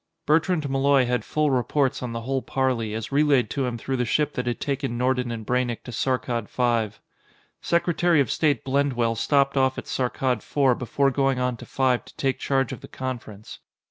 Bertrand Malloy had full reports on the whole parley, as relayed to him through the ship that had taken Nordon and Braynek to Saarkkad V. Secretary of State Blendwell stopped off at Saarkkad IV before going on to V to take charge of the conference.